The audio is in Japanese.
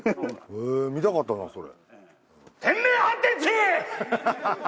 へぇ見たかったなそれ。